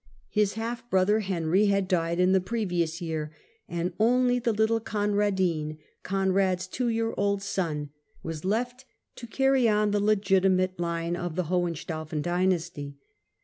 His half brother Henry had died in the previous year, and only the little Conradin, Conrad's two year old son, was left to carry on the legiti mate line of the Hohenstaufen dynasty.